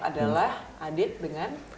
adalah adit dengan